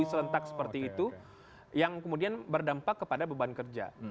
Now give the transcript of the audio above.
serentak seperti itu yang kemudian berdampak kepada beban kerja